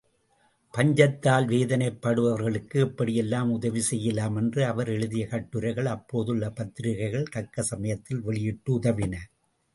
பஞ்சத்தால் வேதனைப்படுவோர்களுக்கு எப்படியெல்லாம் உதவிசெய்யலாம் என்று அவர் எழுதியக் கட்டுரைகளை அப்போதுள்ள பத்திரிக்கைகள் தக்க சமயத்தில் வெளியிட்டு உதவின.